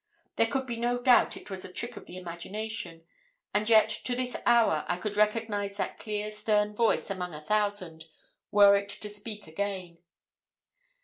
There could be no doubt it was a trick of the imagination, and yet to this hour I could recognise that clear stern voice among a thousand, were it to speak again.